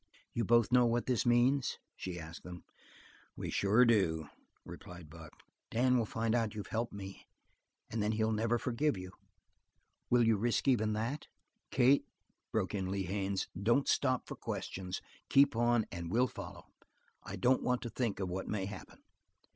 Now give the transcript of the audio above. "You both know what it means?" she asked them. "We sure do," replied Buck. "Dan will find out that you've helped me, and then he'll never forgive you. Will you risk even that?" "Kate," broke in Lee Haines, "don't stop for questions. Keep on and we'll follow. I don't want to think of what may happen."